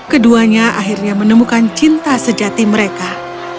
keduanya akhirnya menemukan cinta sejatimu